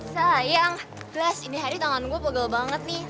sayang kelas ini hari tangan gue pugal banget nih